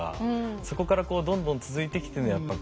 そこからこうどんどん続いてきてるのやっぱこう。